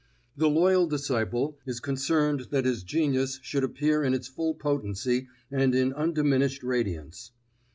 The loyal disciple is concerned that this genius should appear in its full potency and in undiminished radiance.